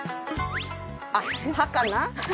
あっ歯かな？